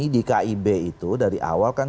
di kib itu dari awal kan